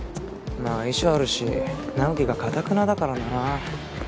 まあ遺書あるし直樹がかたくなだからな。